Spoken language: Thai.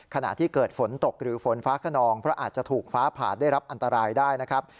ขณะที่เกิดฝนตกหรือฝนฟ้าขนองเพราะอาจจะถูกฟ้าผ่าได้รับอันตรายได้นะครับ